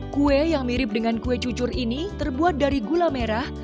kue yang mirip dengan kue cucur ini terbuat dari gula merah